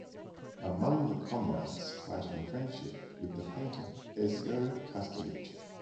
Among the comrades tighten friendship with the painter Ezio Castellucci.